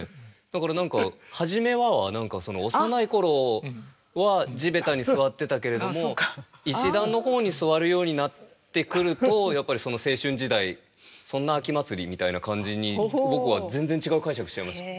だから何か「はじめは」は幼い頃は地べたに座ってたけれども石段の方に座るようになってくるとやっぱり青春時代そんな秋祭りみたいな感じに僕は全然違う解釈しちゃいました。